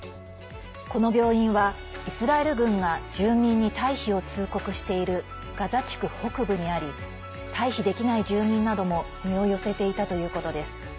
この病院はイスラエル軍が住民に退避を通告しているガザ地区北部にあり退避できない住民なども身を寄せていたということです。